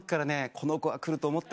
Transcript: この子は来ると思ってましたよ。